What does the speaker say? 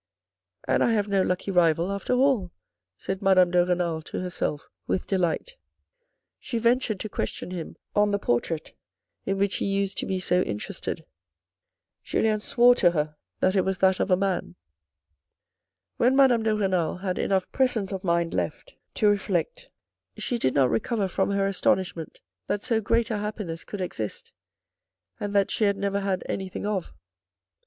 " And I have no lucky rival after all," said Madame de Renal to herself with delight. She ventured to question him on the portrait in which he used to be so interested. Julien swore to her that it was that of a man. When Madame de Renal had enough presence of mind left 96 THE RED AND THE BLACK 50 reflect, she did not recover from her astonishment that so great a happiness could exist; and that she had never had anything of.